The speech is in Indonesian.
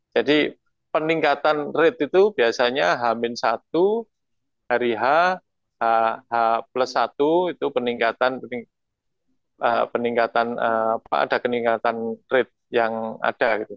jadi peningkatan rate itu biasanya h satu hari h h satu itu peningkatan rate yang ada